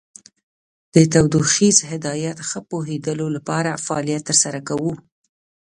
د تودوخیز هدایت ښه پوهیدلو لپاره فعالیت تر سره کوو.